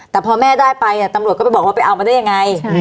แต่พอแม่ได้ไปตำรวจก็ไปบอกว่าไปเอามาได้ยังไง